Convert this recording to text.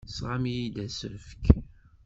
Tesɣam-iyi-d asefk?!